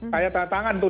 saya tangan tangan tuh